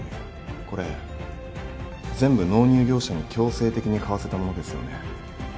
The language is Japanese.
これ全部納入業者に強制的に買わせたものですよね。